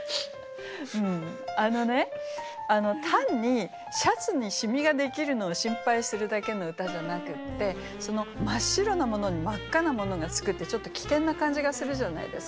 あのね単にシャツに染みができるのを心配するだけの歌じゃなくて真っ白なものに真っ赤なものがつくってちょっと危険な感じがするじゃないですか。